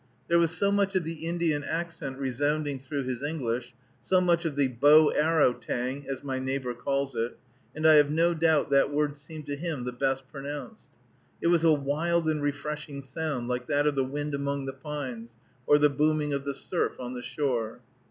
There was so much of the Indian accent resounding through his English, so much of the "bow arrow tang" as my neighbor calls it, and I have no doubt that word seemed to him the best pronounced. It was a wild and refreshing sound, like that of the wind among the pines, or the booming of the surf on the shore.